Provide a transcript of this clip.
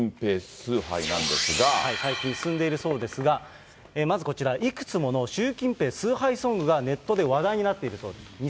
最近進んでいるそうですが、まずこちら、いくつもの習近平崇拝ソングがネットで話題になっているそうです。